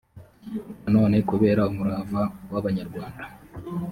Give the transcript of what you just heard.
na none kubera umurava w abanyarwanda